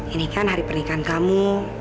ini kan hari pernikahan kamu